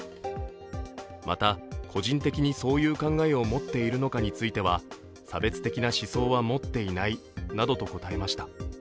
また、個人的にそういう考えを持っているのかについて差別的な思想は持っていないなどと答えました。